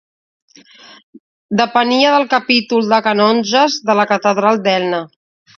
Depenia del capítol de canonges de la catedral d'Elna.